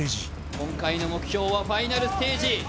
今回の目標はファイナルステージ。